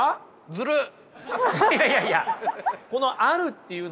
ずるっ！